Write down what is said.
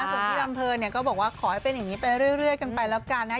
ส่วนพี่ลำเพลินเนี่ยก็บอกว่าขอให้เป็นอย่างนี้ไปเรื่อยกันไปแล้วกันนะ